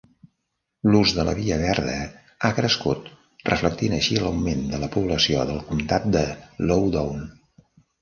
L'ús de la via verda ha crescut, reflectint així l'augment de la població del comtat de Loudoun.